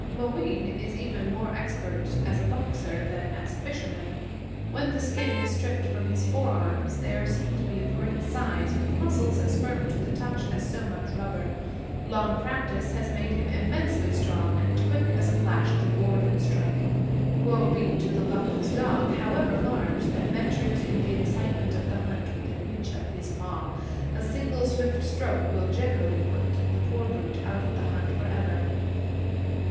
Mooween is even more expert as a boxer than as a fisherman. When the skin is stripped from his fore arms, they are seen to be of great size, with muscles as firm to the touch as so much rubber. Long practice has made him immensely strong, and quick as a flash to ward and strike. Woe be to the luckless dog, however large, that ventures in the excitement of the hunt within reach of his paw. A single swift stroke will generally put the poor brute out of the hunt forever.